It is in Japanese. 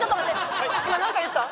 今何か言った？